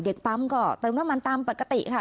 ปั๊มก็เติมน้ำมันตามปกติค่ะ